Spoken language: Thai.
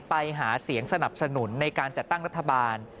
ไปหาเสียงสนับสนุนในการจัดตั้งรัฐบาล